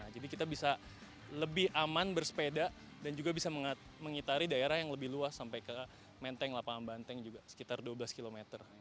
jadi kita bisa lebih aman bersepeda dan juga bisa mengitari daerah yang lebih luas sampai ke menteng lapangan banteng juga sekitar dua belas km